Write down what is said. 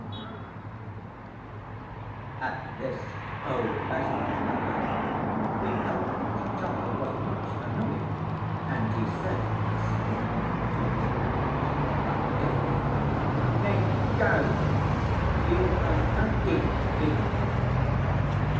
At this, O Best Beloved, the Elephant's Child was much annoyed, and he said, speaking through his nose, like this, 'Led go! You are hurtig be!